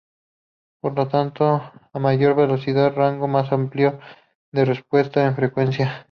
Por tanto a mayor velocidad, rango más amplio de respuesta en frecuencia.